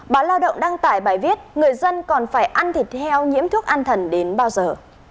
báo lao động đăng tải bài viết người dân còn phải ăn thịt heo nhiễm thuốc an thần đến bao giờ